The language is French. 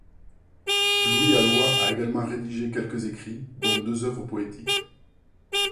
Louis Alhoy a également rédigé quelques écrits, dont deux œuvres poétiques.